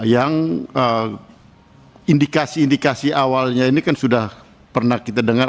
yang indikasi indikasi awalnya ini kan sudah pernah kita dengar